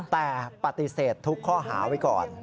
แต่ปฏิเสธทุกข้อหาไว้ก่อน